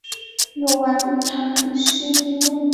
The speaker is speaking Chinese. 有晚唐诗意味。